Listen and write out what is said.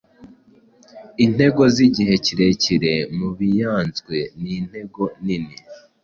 Intego zigihe kirekire mubianzwe nintego nini